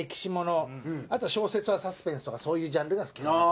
あと小説はサスペンスとかそういうジャンルが好きかなと。